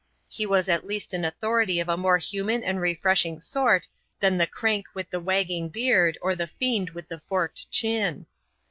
He was at least an authority of a more human and refreshing sort than the crank with the wagging beard or the fiend with the forked chin.